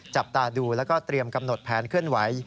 จับตาดูแล้วก็เตรียมกำหนดแผนเคลื่อนไหว